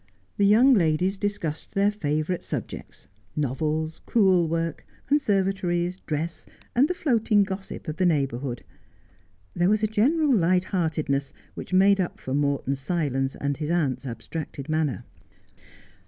The young ladies discussed their favourite subjects, novels, crewel work, conservatories, dress, and the floating gossip of the neigh bourhood. There was a general light heartedness which made up for Morton's silence and his aunt's abstracted manner.